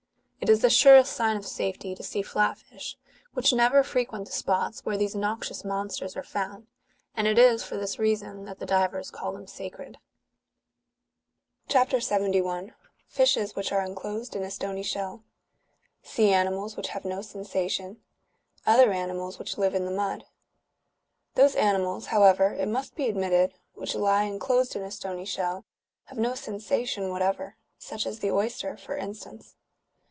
(47.) It is the surest sign of safety to see flat fish, which never frequent the spots where these noxious monsters are found : and it is for this reason that the divers^^ call them sacred. CHAP. 71. FISHES WHICH AEE ENCLOSED IN A STOIHT SHELL SEA ANIMALS WHICH HAVE NO SENSATION OTHEE ANIMALS WHICH LIVE IN THE MUD. Those animals, however, it must be admitted, which lie en closed in a stony shell, have no sensation whatever — such as the oyster, ^^ for instance.